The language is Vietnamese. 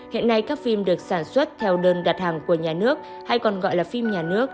hiện nay các phim được sản xuất theo đơn đặt hàng của nhà nước hay còn gọi là phim nhà nước